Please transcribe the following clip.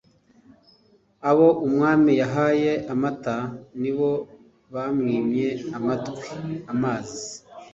Abo umwami yahaye amata nibo bamwimye amatwi (amazi).